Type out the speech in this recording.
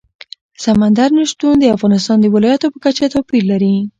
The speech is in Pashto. سمندر نه شتون د افغانستان د ولایاتو په کچه توپیر لري.